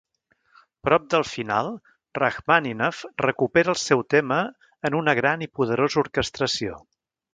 Prop del final, Rakhmàninov recupera el segon tema en una gran i poderosa orquestració.